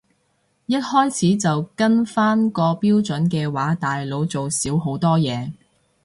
一開始就跟返個標準嘅話大佬做少好多嘢